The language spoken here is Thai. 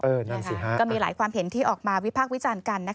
เออนั่นสิฮะนะครับก็มีหลายความเห็นที่ออกมาวิภาควิจารณ์กัน